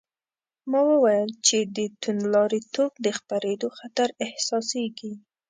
ما وویل چې د توندلاریتوب د خپرېدو خطر احساسېږي.